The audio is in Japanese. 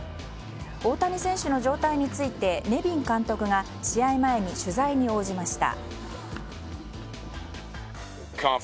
大谷選手の状態についてネビン監督が試合前に取材に応じました。